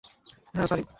হ্যাঁ, পারি।